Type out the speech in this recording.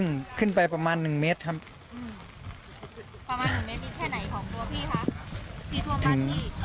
ก็ขึ้นไปประมาณหนึ่งเมตรครับอืมประมาณหนึ่งเมตรนี้แค่ไหนของตัวพี่คะ